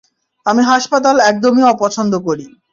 আমি হাসপাতাল একদমই অপছন্দ করি।